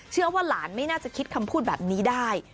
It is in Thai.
เชื่อว่าหลานไม่น่าจะคิดคำพูดแบบนี้ได้